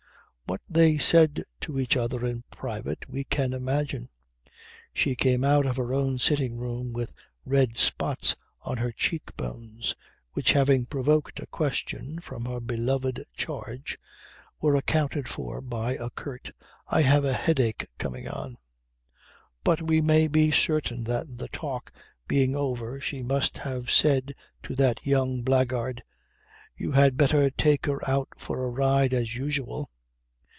What they said to each other in private we can imagine. She came out of her own sitting room with red spots on her cheek bones, which having provoked a question from her "beloved" charge, were accounted for by a curt "I have a headache coming on." But we may be certain that the talk being over she must have said to that young blackguard: "You had better take her out for a ride as usual."